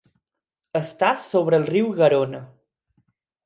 Està sobre el riu Garona.